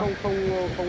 không cho qua đâu